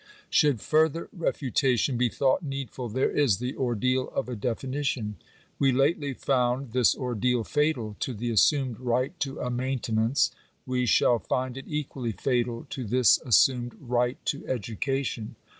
Should further refutation be thought needful, there is the ordeal of a definition. We lately found this ordeal fatal to the assumed right to a maintenance ; we shall find it equally fatal to this assumed right to education.